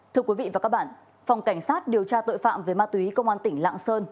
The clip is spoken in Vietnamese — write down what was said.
thưa quý vị và các bạn phòng cảnh sát điều tra tội phạm về ma túy công an tỉnh lạng sơn